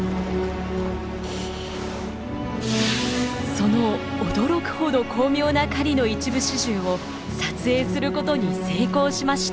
その驚くほど巧妙な狩りの一部始終を撮影することに成功しました！